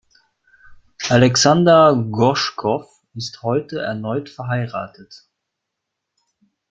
Alexander Gorschkow ist heute erneut verheiratet.